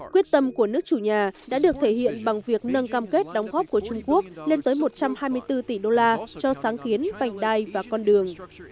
quyết tâm của nước chủ nhà đã được thể hiện bằng việc nâng cam kết đóng góp của trung quốc lên tới một trăm hai mươi bốn tỷ đô la cho sáng kiến vành đai và con đường